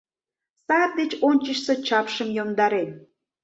Сар деч ончычсо чапшым йомдарен.